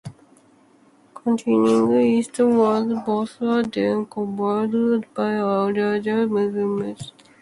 Continuing eastwards, both are then covered by a layer of Mercia mudstone.